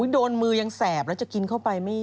มือยังแสบแล้วจะกินเข้าไป